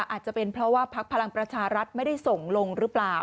อาจจะเป็นเพราะว่าพักพลังประชารัฐไม่ได้ส่งลงหรือเปล่า